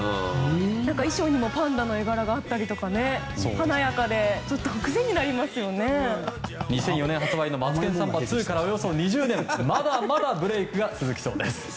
衣装にもパンダの絵柄があったりして２００４年発売の「マツケンサンバ２」からおよそ２０年まだまだブレークが続きそうです。